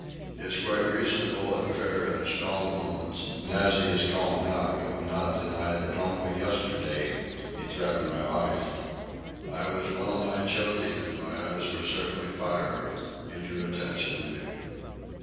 He is quite reasonable and fair in his calm moments, and as he is calm now he will not deny that only yesterday he threatened my life." I was well nigh choking, and my eyes were certainly fiery. He drew attention to me.